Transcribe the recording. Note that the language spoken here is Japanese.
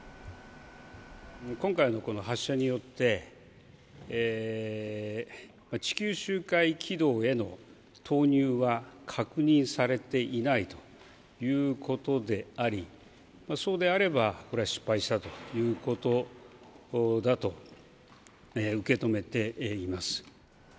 今回のこの発射によって、地球周回軌道への投入は確認されていないということであり、そうであれば、これは失敗したということだと受け止めています。